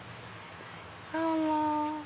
どうも。